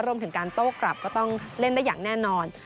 รวมถึงการโต้กลับก็ต้องเล่นได้อย่างแน่นอน